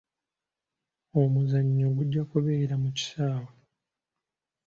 Omuzannyo gujja kubeera mu kisaawe.